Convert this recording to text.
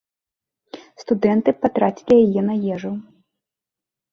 Студэнты б патрацілі яе на ежу.